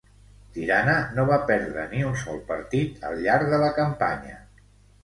Tirana no va perdre ni un sol partit al llarg de la campanya.